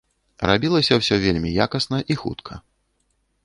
Рабілася ўсё вельмі якасна і хутка.